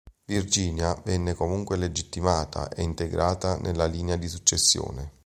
Virginia venne comunque legittimata e integrata nella linea di successione.